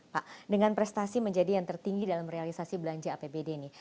pak dengan prestasi menjadi yang tertinggi dalam realisasi belanja apbd ini